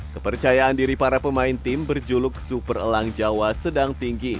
kepercayaan diri para pemain tim berjuluk super elang jawa sedang tinggi